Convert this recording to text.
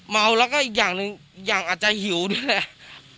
เมาแล้วก็อีกอย่างนึงอีกอย่างอาจจะหิวด้วยแหละ